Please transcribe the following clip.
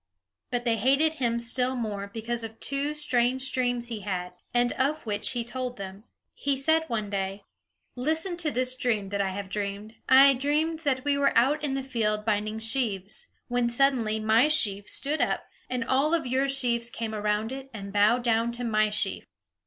But they hated him still more because of two strange dreams he had, and of which he told them. He said one day: "Listen to this dream that I have dreamed. I dreamed that we were out in the field binding sheaves, when suddenly my sheaf stood up, and all your sheaves came around it and bowed down to my sheaf!"